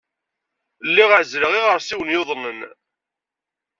Lliɣ ɛezzleɣ iɣersiwen yuḍnen.